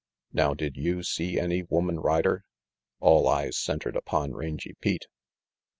Now did you see any woman rider?" All eyes centered upon Rangy Pete.